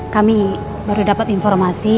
kami baru dapat informasi